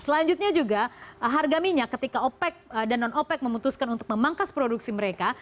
selanjutnya juga harga minyak ketika opec dan non opec memutuskan untuk memangkas produksi mereka